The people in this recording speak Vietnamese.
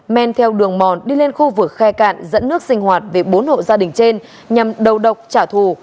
men theo đường mòn đi lên khu vực khe cạn dẫn nước sinh hoạt về bốn hộ gia đình trên nhằm đầu độc trả thù